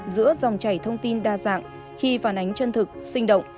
giữa dòng chảy thông tin đa dạng khi phản ánh chân thực sinh động